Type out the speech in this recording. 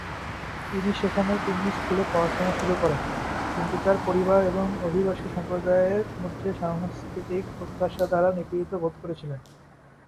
তিনি সেখানে তিনি স্কুলে পড়াশোনা শুরু করেন, কিন্তু তার পরিবার এবং অভিবাসী সম্প্রদায়ের মধ্যে সাংস্কৃতিক প্রত্যাশা দ্বারা নিপীড়িত বোধ করেছিলেন।